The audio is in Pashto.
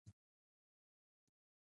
افغانستان کې د واوره د پرمختګ هڅې روانې دي.